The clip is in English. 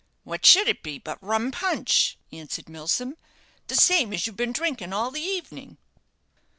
"What should it be but rum punch?" answered Milsom; "the same as you've been drinking all the evening."